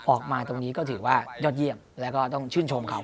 ออกมาตรงนี้ก็ถือว่ายอดเยี่ยมแล้วก็ต้องชื่นชมเขา